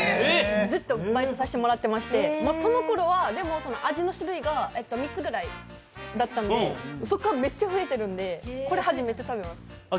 ずっとバイトさせてもらっていまして、その頃は味の種類が３つぐらいだったんでそこからめっちゃふえてるんでこれ、始めて食べます。